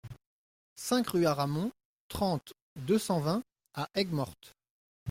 cinq rue Aramon, trente, deux cent vingt à Aigues-Mortes